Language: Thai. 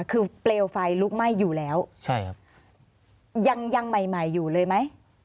คือเปลวไฟลุกไหม้อยู่แล้วยังใหม่อยู่เลยไหม